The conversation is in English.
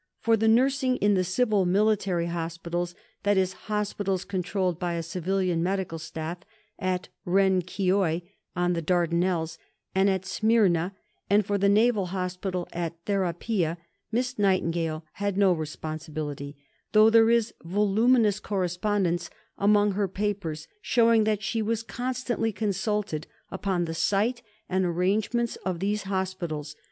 For the nursing in the Civil Military Hospitals (i.e. hospitals controlled by a civilian medical staff) at Renkioi (on the Dardanelles) and at Smyrna, and for the Naval Hospital at Therapia, Miss Nightingale had no responsibility, though there is voluminous correspondence among her papers showing that she was constantly consulted upon the site and arrangements of these hospitals.